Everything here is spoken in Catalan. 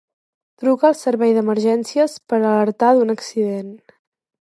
Truca al Servei d'Emergències per alertar d'un accident.